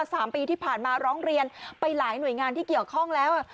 สามปีที่ผ่านมาร้องเรียนไปหลายหน่วยงานที่เกี่ยวข้องแล้ว